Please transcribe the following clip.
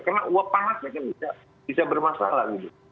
karena uap panasnya bisa bermasalah